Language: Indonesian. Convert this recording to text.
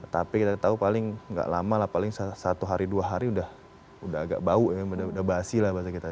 tapi kita tahu paling nggak lama lah paling satu hari dua hari udah agak bau ya udah basi lah bahasa kita